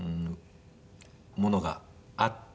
ものがあって。